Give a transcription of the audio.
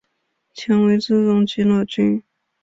强为之容即老君。